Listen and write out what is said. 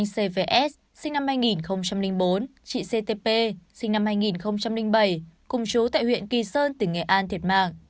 anh c v s sinh năm hai nghìn bốn chị c t p sinh năm hai nghìn bảy cùng chú tại huyện kỳ sơn tỉnh nghệ an thiệt mạng